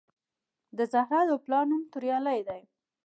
د زهرا د پلار نوم توریالی دی